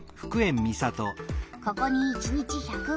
ここに１日１０５トン。